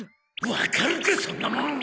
わかるかそんなもん！